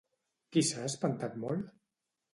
Qui s'ha espantat molt?